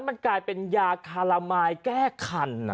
มันกลายเป็นยาคารามายแก้คัน